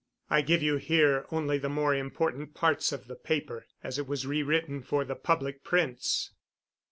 I give you here only the more important parts of the paper as it was rewritten for the public prints